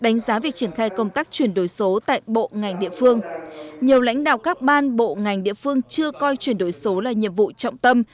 nhiều lãnh đạo các ban bộ ngành địa phương chưa coi chuyển đổi số là nhiệm vụ trọng tâm